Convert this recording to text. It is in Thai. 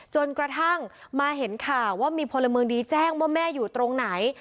จนกระทั่งมาเห็นข่าวว่ามีพลเมืองดีแจ้งว่าแม่อยู่ตรงไหน